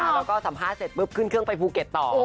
แล้วก็สัมภาษณ์เสร็จปุ๊บขึ้นเครื่องไปภูเก็ตต่อ